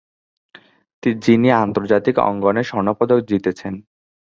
যিনি আন্তর্জাতিক অঙ্গনে স্বর্ণপদক জিতেছেন।